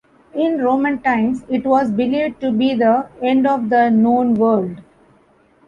In Roman times it was believed to be the end of the known world.